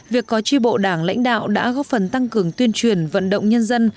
việc có tri bộ đảng lãnh đạo đã góp phần tăng cường tuyên truyền vận động nhân dân